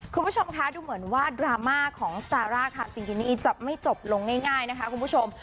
คุณผู้ชมคะดูเหมือนว่าดราม่าของซาร่าคาซิงกินี่จะไม่จบลงง่ายนะคะคุณผู้ชม